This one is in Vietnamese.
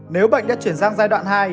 nếu bệnh đã chuyển sang giai đoạn hai